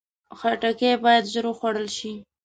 خټکی باید ژر وخوړل شي.